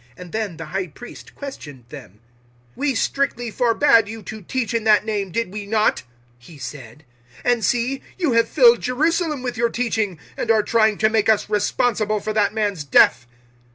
And then the High Priest questioned them. 005:028 "We strictly forbad you to teach in that name did we not?" he said. "And see, you have filled Jerusalem with your teaching, and are trying to make us responsible for that man's death!"